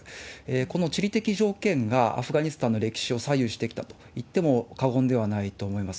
この地理的条件がアフガニスタンの歴史を左右してきたと言っても過言ではないと思います。